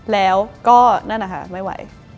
แล้วก็นั่นนะคะไม่ไหว